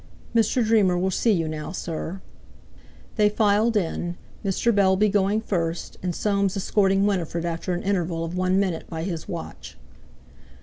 "Mr. Dreamer will see you now, sir." They filed in, Mr. Bellby going first, and Soames escorting Winifred after an interval of one minute by his watch.